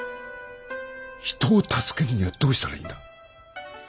人を助けるにはどうしたらいいんだ。